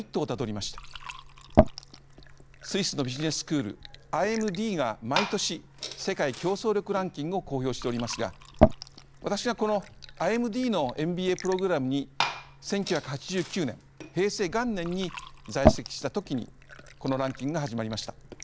スイスのビジネススクールＩＭＤが毎年世界競争力ランキングを公表しておりますが私はこのＩＭＤのＭＢＡプログラムに１９８９年平成元年に在籍した時にこのランキングが始まりました。